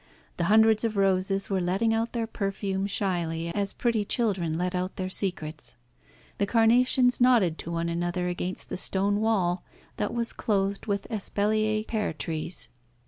The hundreds of roses were letting out their perfume shyly, as pretty children let out their secrets. The carnations nodded to one another against the stone wall that was clothed with Espalier pear trees.